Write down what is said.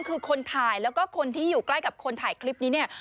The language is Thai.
คือคนถ่ายแล้วก็คนที่อยู่ใกล้กับคนถ่ายคลิปนี้เนี่ย